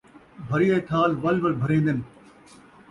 بھریے تھاں وَل وَل بھرین٘دن